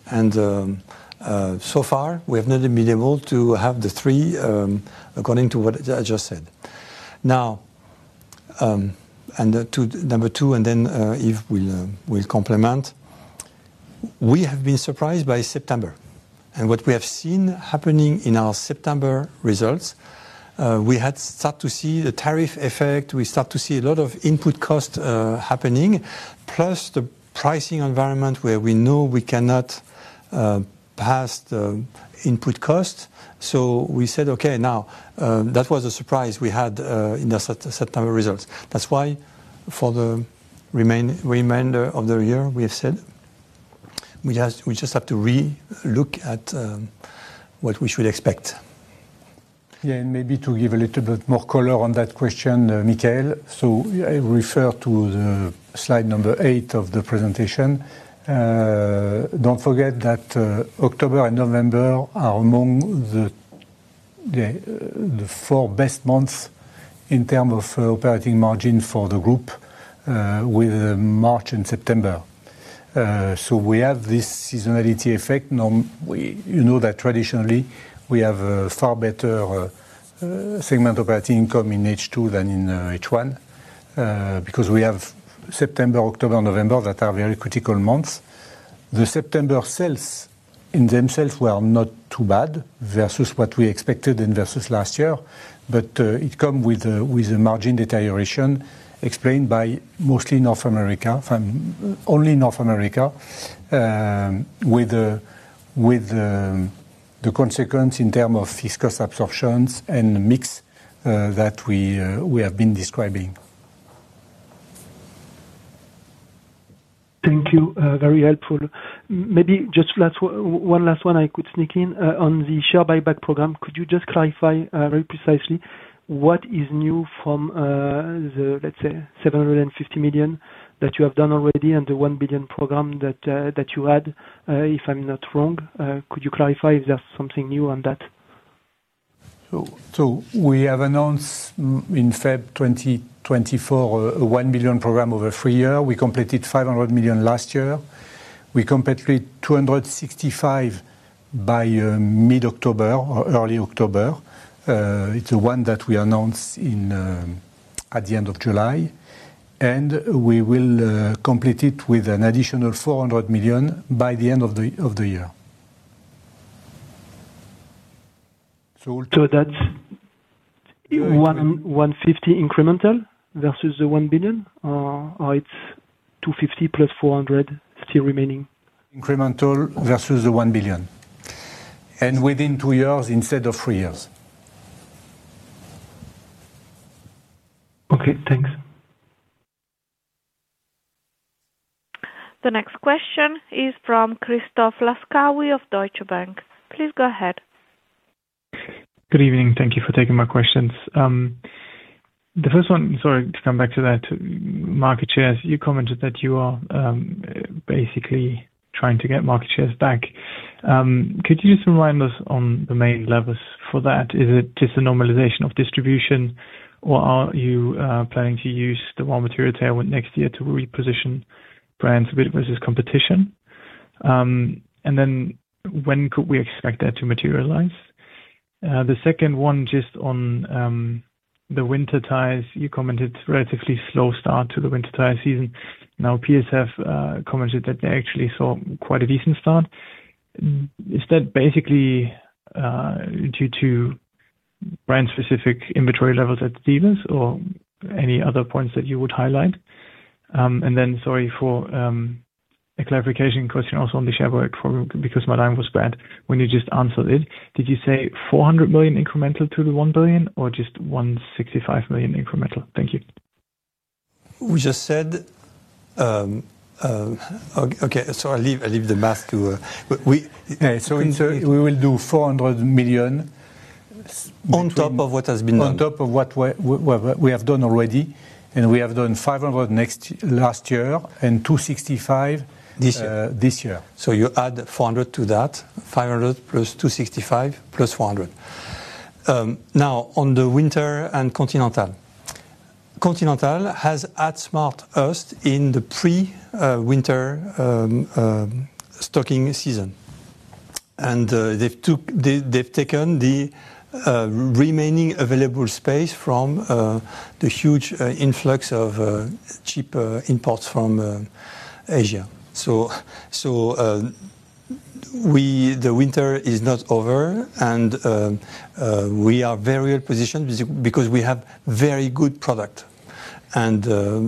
So far, we have not been able to have the three according to what I just said. Number two, and then Yves will complement, we have been surprised by September. What we have seen happening in our September results, we had started to see the tariff effect. We started to see a lot of input cost happening, plus the pricing environment where we know we cannot pass the input cost. We said, "Okay, now." That was a surprise we had in the September results. That is why for the remainder of the year, we have said we just have to relook at what we should expect. Maybe to give a little bit more color on that question, Michael, I refer to the slide number eight of the presentation. Do not forget that October and November are among the four best months in terms of operating margin for the group with March and September. We have this seasonality effect. You know that traditionally, we have a far better segment operating income in H2 than in H1 because we have September, October, and November that are very critical months. The September sales in themselves were not too bad versus what we expected and versus last year, but it comes with a margin deterioration explained by mostly North America, only North America, with the consequence in terms of fixed cost absorption and the mix that we have been describing. Thank you. Very helpful. Maybe just one last one I could sneak in on the share buyback program. Could you just clarify very precisely what is new from the, let's say, 750 million that you have done already and the 1 billion program that you had, if I'm not wrong? Could you clarify if there's something new on that? We announced in February 2024 a $1 billion program over three years. We completed $500 million last year and completed $265 million by early October. It's the one that we announced at the end of July. We will complete it with an additional $400 million by the end of the year. We'll do that $150 million incremental versus the $1 billion, or it's $250 million. +400, still remaining. Incremental versus the $1 billion, within two years instead of three years. Okay. Thanks. The next question is from Christoph Laskawi of Deutsche Bank. Please go ahead. Good evening. Thank you for taking my questions. The first one, sorry, to come back to that market share, you commented that you are basically trying to get market shares back. Could you just remind us on the main levers for that? Is it just a normalization of distribution, or are you planning to use the raw material tailwind next year to reposition brands a bit versus competition? When could we expect that to materialize? The second one, just on the winter tires. You commented relatively slow start to the winter tire season. Now, PSF commented that they actually saw quite a decent start. Is that basically due to brand-specific inventory levels at Stevens or any other points that you would highlight? Sorry for a clarification question also on the share buyback program because my line was bad. When you just answered it, did you say $400 million incremental to the $1 billion or just $165 million incremental? Thank you. We just said okay. I leave the math to you. We will do $400 million. On top of what has been done. On top of what we have done already, we have done $500 million last year and $265 million this year. You add 400 to that, 500+ 265+ 400. On the winter and Continental, Continental has had Smart Earth in the pre-winter stocking season, and they've taken the remaining available space from the huge influx of cheap imports from Asia. The winter is not over, and we are very well positioned because we have very good product. The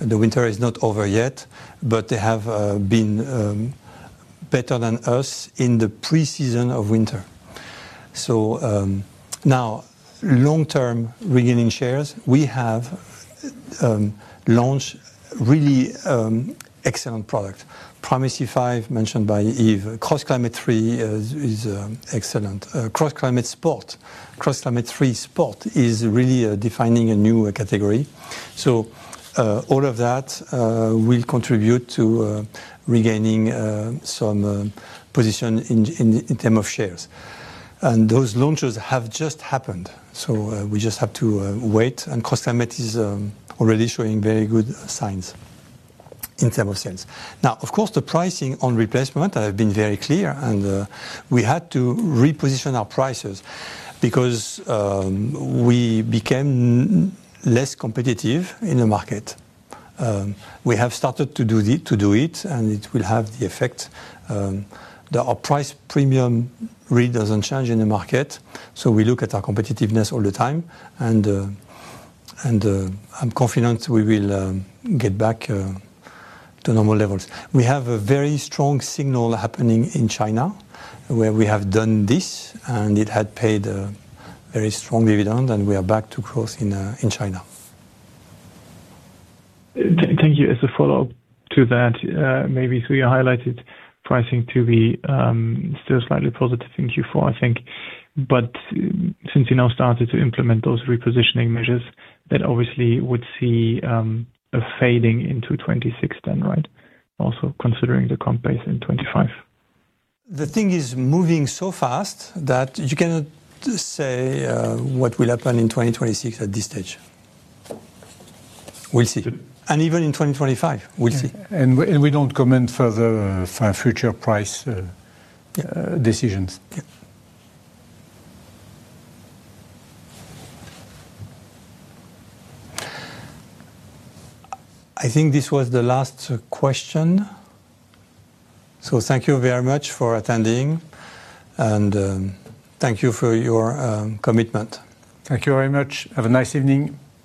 winter is not over yet, but they have been better than us in the pre-season of winter. Long-term regaining shares, we have launched really excellent products. Primacy 5 mentioned by Yves. CrossClimate 3 is excellent. CrossClimate Sport. CrossClimate 3 Sport is really defining a new category. All of that will contribute to regaining some position in terms of shares. Those launches have just happened, so we just have to wait. CrossClimate is already showing very good signs in terms of sales. Of course, the pricing on replacement has been very clear, and we had to reposition our prices because we became less competitive in the market. We have started to do it, and it will have the effect that our price premium really doesn't change in the market. We look at our competitiveness all the time, and I'm confident we will get back to normal levels. We have a very strong signal happening in China where we have done this, and it had paid a very strong dividend. We are back to growth in China. Thank you. As a follow-up to that, maybe, so you highlighted pricing to be still slightly positive in Q4, I think. Since you now started to implement those repositioning measures, that obviously would see a fading into 2026 then, right? Also, considering the comp base in 2025. The thing is moving so fast that you cannot say what will happen in 2026 at this stage. We'll see. Even in 2025, we'll see. We don't comment further for future price decisions. I think this was the last question. Thank you very much for attending, and thank you for your commitment. Thank you very much. Have a nice evening.